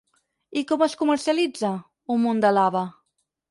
I com es comercialitza, un munt de lava?